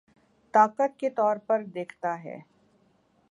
طاقت کے طور پر دیکھتا ہے